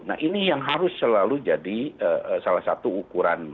nah ini yang harus selalu jadi salah satu ukuran